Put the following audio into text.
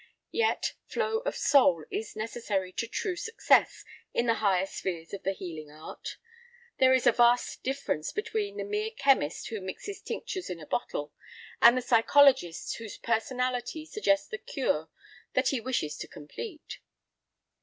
Yet, flow of soul is necessary to true success in the higher spheres of the healing art. There is a vast difference between the mere chemist who mixes tinctures in a bottle, and the psychologist whose personality suggests the cure that he wishes to complete.